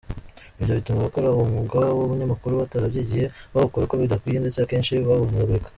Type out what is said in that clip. Ibyo bituma abakora uwo mwuga w’ubunyamakuru batarabyigiye bawukora uko bidakwiye ndetse akenshi bahuzagurika.